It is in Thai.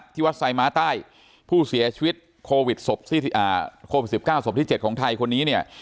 ที่วัดไซม้าใต้ผู้เสียชีวิตโควิด๑๙ศพที่๗ของไทยคนนี้เนี่ย